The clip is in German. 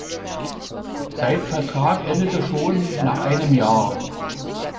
Sein Vertrag endete schon nach einem Jahr.